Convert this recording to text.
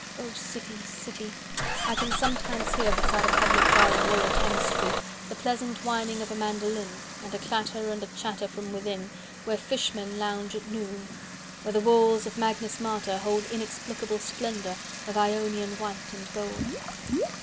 O City City, I can sometimes hear Beside a public bar in Lower Thames Street, 260 The pleasant whining of a mandoline And a clatter and a chatter from within Where fishmen lounge at noon: where the walls Of Magnus Martyr hold Inexplicable splendour of Ionian white and gold.